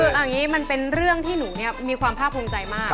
คือเอาอย่างนี้มันเป็นเรื่องที่หนูมีความภาคภูมิใจมาก